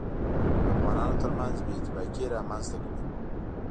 دافغانانوترمنځ بې اتفاقي رامنځته کړي